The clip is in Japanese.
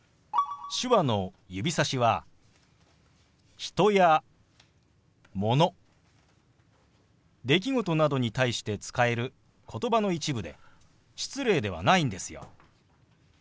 手話の指さしは人やもの出来事などに対して使える言葉の一部で失礼ではないんですよ。